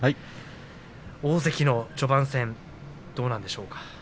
大関の序盤戦どうなんでしょうか。